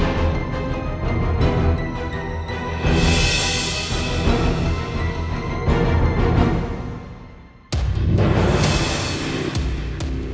aku mau bukti